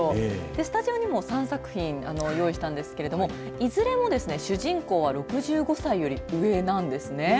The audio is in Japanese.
スタジオにも３作品用意したんですけれどもいずれもですね、主人公は６５歳より上なんですね。